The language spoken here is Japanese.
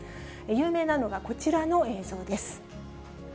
有名なのがこちらの映像です。